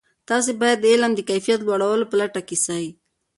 تاسې باید د علم د کیفیت لوړولو په لټه کې سئ.